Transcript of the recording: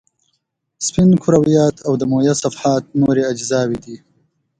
سپین کرویات او دمویه صفحات نورې اجزاوې دي.